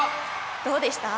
どうでした？